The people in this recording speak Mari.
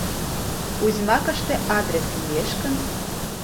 Узьмакыште адрес лиеш гын.